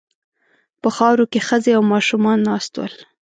په خاورو کې ښځې او ماشومان ناست ول.